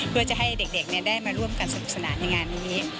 เพื่อจะให้เด็กได้มาร่วมกันสนุกสนานในงานนี้